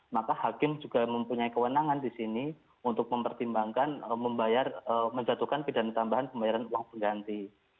maka hakim juga mempunyai kewenangan di sini untuk mempertimbangkan membayar menjatuhkan pidana tambahan pembayaran uang pengganti